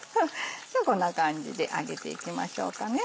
ではこんな感じであげていきましょうかね。